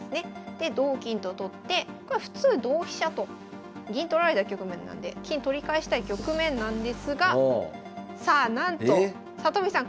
で同金と取ってここは普通同飛車と銀取られた局面なので金取り返したい局面なんですがさあなんと里見さん